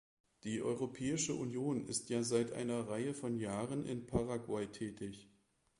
Die Europäische Union ist ja seit einer Reihe von Jahren in Paraguay tätig.